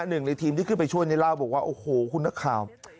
หนึ่งในทีมที่ขึ้นไปช่วยนี่เล่าบอกว่าโอ้โหคุณนักข่าว